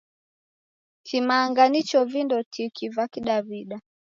Kimanga nicho vindo tiki va W'adaw'ida.